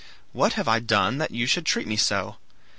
What have I done that you should treat me so?